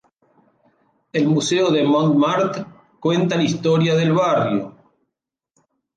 El museo de Montmartre cuenta la historia del barrio.